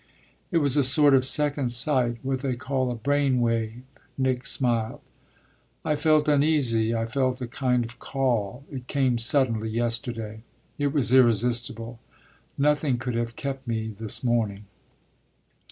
"It was a sort of second sight what they call a brainwave," Nick smiled. "I felt uneasy, I felt a kind of call; it came suddenly, yesterday. It was irresistible; nothing could have kept me this morning."